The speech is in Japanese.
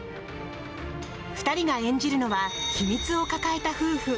２人が演じるのは秘密を抱えた夫婦。